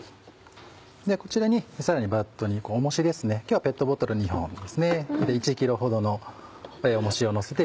こちらにさらにバットに重しですね今日はペットボトル２本ですね。